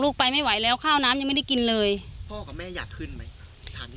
ไปไม่ไหวแล้วข้าวน้ำยังไม่ได้กินเลยพ่อกับแม่อยากขึ้นไหมทัน